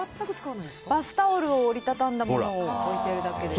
バスタオルを折りたたんだものを置いてるだけです。